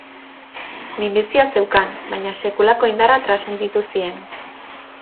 Minbizia zeukan, baina sekulako indarra transmititu zien.